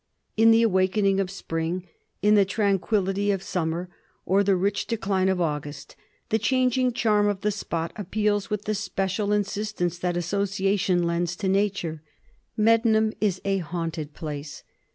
In the awakening of spring, in the tranquillity of summer, or the rich decline of August, the changing charm of the spot appeals with the special insistence that association lends to nature. Medmenham is a haunted place.